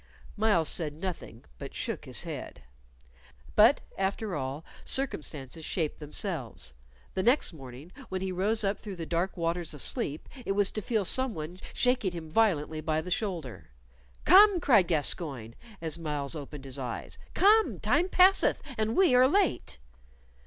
Myles said nothing, but shook his head. But, after all, circumstances shape themselves. The next morning when he rose up through the dark waters of sleep it was to feel some one shaking him violently by the shoulder. "Come!" cried Gascoyne, as Myles opened his eyes "come, time passeth, and we are late."